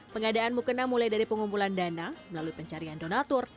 pengadaan mukena mulai dari pengumpulan dana melalui pencarian donatur